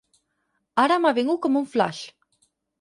Ara m'ha vingut com un flaix.